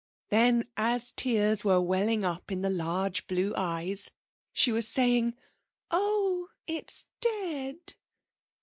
Then as tears were welling up in the large blue eyes she was saying: 'Oh, it's dead!'